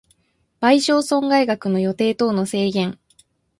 損害賠償額の予定等の制限